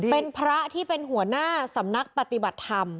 เป็นพระที่เป็นหัวหน้าสำนักปฏิบัติธรรม